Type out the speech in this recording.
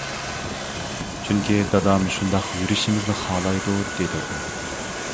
-چۈنكى، دادام شۇنداق يۈرۈشىمىزنى خالايدۇ، -دېدى ئۇ.